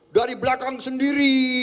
dari belakang sendiri